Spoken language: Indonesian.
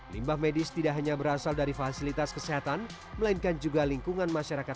limbah medis tidak hanya berasal dari fasilitas kesehatan melainkan juga lingkungan masyarakat